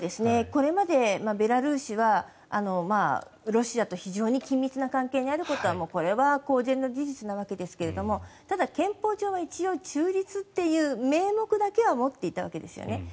これまでベラルーシはロシアと非常に緊密な関係にあることはこれは公然の事実なわけですがただ、憲法上は一応、中立という名目だけは持っていたわけですね。